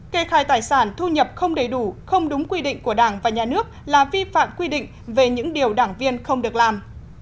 kê khai tài sản thu nhập không đầy đủ không đúng quy định của đảng và nhà nước là vi phạm quy định về những điều đảng viên không được làm